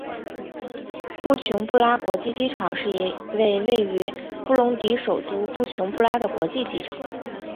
布琼布拉国际机场是一位位于布隆迪首都布琼布拉的国际机场。